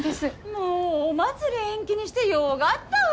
もうお祭り延期にしてよがったわ。